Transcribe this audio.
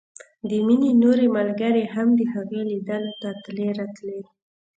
د مينې نورې ملګرې هم د هغې ليدلو ته تلې راتلې